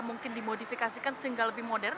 mungkin dimodifikasikan sehingga lebih modern